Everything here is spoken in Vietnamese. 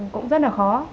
cũng rất là khó